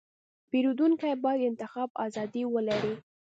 پیرودونکی باید د انتخاب ازادي ولري.